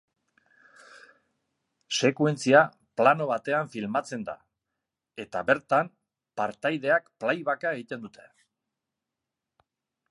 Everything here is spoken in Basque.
Sekuentzia plano batean filmatzen da, eta bertan partaideak playback-a egiten dute.